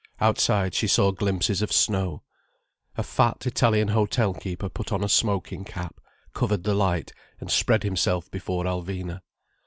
Outside she saw glimpses of snow. A fat Italian hotel keeper put on a smoking cap, covered the light, and spread himself before Alvina.